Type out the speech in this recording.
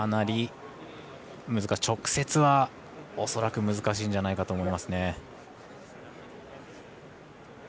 直接は恐らく、難しいんじゃないかと